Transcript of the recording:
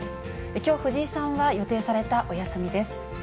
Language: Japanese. きょう、藤井さんは予定されたお休みです。